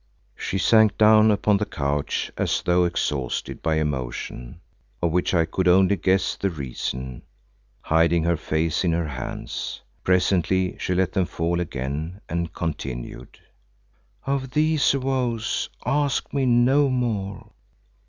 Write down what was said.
She sank down upon the couch as though exhausted by emotion, of which I could only guess the reasons, hiding her face in her hands. Presently she let them fall again and continued, "Of these woes ask me no more.